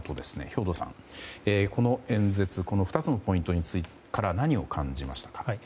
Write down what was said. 兵頭さん、この演説２つのポイントから何を感じましたか？